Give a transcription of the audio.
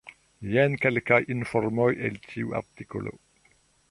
Jen kelkaj informoj el tiu artikolo.